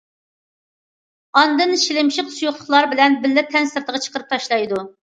ئاندىن شىلىمشىق سۇيۇقلۇقلار بىلەن بىللە، تەن سىرتىغا چىقىرىپ تاشلايدۇ.